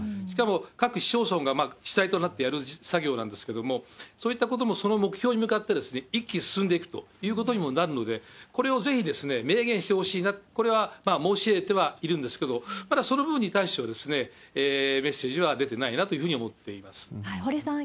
しかも、各市町村が主体となってやる作業なんですけれども、そういったこともその目標に向かって一気に進んでいくということになりますので、これをぜひ明言してほしいな、これは申し入れてはいるんですけれども、ただ、その部分に対しては、メッセージは出てないなというふうには思ってます。